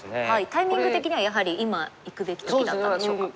タイミング的にはやはり今いくべき時だったんでしょうか。